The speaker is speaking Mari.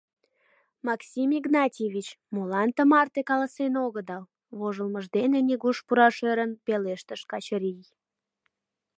— Максим Игнатьевич, молан тымарте каласен огыдал? — вожылмыж дене нигуш пураш ӧрын, пелештыш Качырий.